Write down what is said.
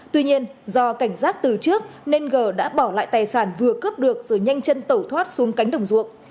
tuy nhiên do cảnh giác từ trước nên g đã bỏ lại tài sản vừa cướp được rồi nhanh chân tẩu thoát xuống cánh đồng ruộng